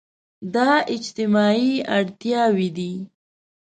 دا اجتماعي اړتياوې دي.